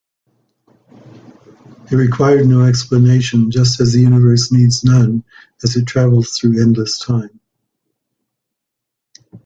It required no explanation, just as the universe needs none as it travels through endless time.